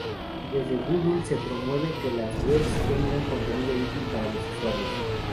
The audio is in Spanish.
Desde Google se promueve que las webs tengan contenido útil para los usuarios.